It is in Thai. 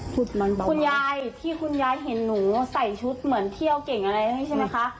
คุณยายที่คุณยายเห็นหนูใส่ชุดเหมือนเที่ยวเก่งอะไรนี่ใช่ไหมคะ